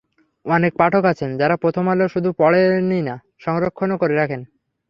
অনেক পাঠক আছেন, যাঁরা প্রথম আলো শুধু পড়েনই না, সংরক্ষণ করেও রাখেন।